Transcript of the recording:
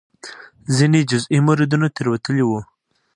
ځینې جزئي موردونو تېروتلي وو.